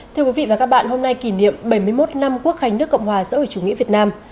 thưa quý vị và các bạn hôm nay kỷ niệm bảy mươi một năm quốc khánh nước cộng hòa xã hội chủ nghĩa việt nam